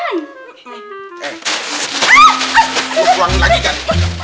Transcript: lu buang lagi kan